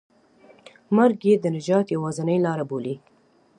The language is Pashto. مرګ یې د نجات یوازینۍ لاره بولي.